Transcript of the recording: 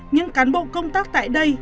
những cán bộ công tác tại đây